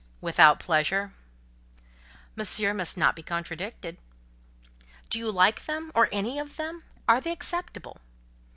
"Without pleasure?" "Monsieur must not be contradicted." "Do you like them, or any of them?—are they acceptable?"